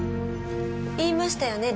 言いましたよね